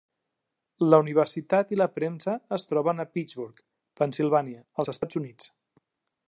La universitat i la premsa es troben a Pittsburgh, Pennsilvània, als Estats Units.